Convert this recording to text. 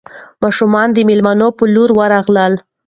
ماشومان د مېلمنو په لور ورغلل.